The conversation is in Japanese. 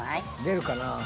出るかなぁ。